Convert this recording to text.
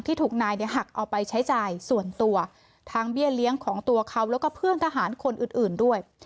ถูกนายเนี่ยหักเอาไปใช้จ่ายส่วนตัวทั้งเบี้ยเลี้ยงของตัวเขาแล้วก็เพื่อนทหารคนอื่นด้วย